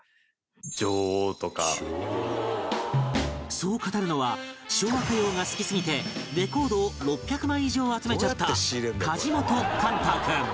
そう語るのは昭和歌謡が好きすぎてレコードを６００枚以上集めちゃった梶本寛太君